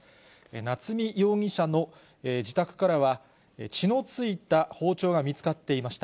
夏見容疑者の自宅からは、血のついた包丁が見つかっていました。